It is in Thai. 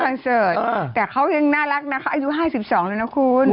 คอนเซิร์ตแต่เขายังน่ารักนะคะอายุไห้สิบสองแล้วนะคุณ